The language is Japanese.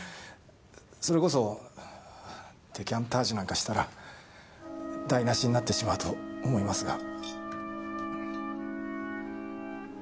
それこそデカンタージュなんかしたら台無しになってしまうと思いますが。